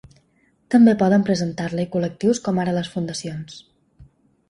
També poden presentar-la-hi col·lectius com ara les fundacions.